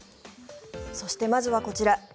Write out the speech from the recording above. そして、まずはこちら。